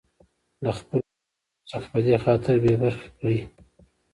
لـه خـپـلو حـقـونـو څـخـه پـه دې خاطـر بـې بـرخـې کـړي.